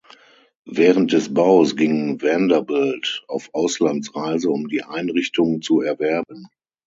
Während des Baus ging Vanderbilt auf Auslandsreise, um die Einrichtung zu erwerben.